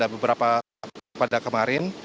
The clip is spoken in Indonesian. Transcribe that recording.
beberapa pada kemarin